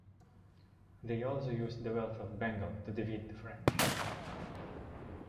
They also used the wealth of Bengal to defeat the French.